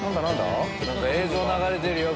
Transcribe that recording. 映像流れてるよ